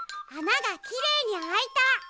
あながきれいにあいた。